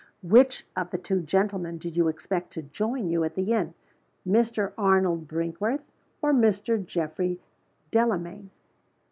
"Which of the two gentlemen did you expect to join you at the inn Mr. Arnold Brinkworth, or Mr. Geoffrey Delamayn?"